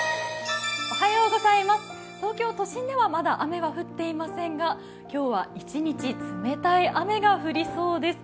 東京都心では、まだ雨は降っていませんが今日は一日冷たい雨が降りそうです。